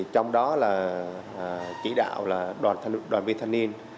trong đó chỉ đạo đoàn viên thanh niên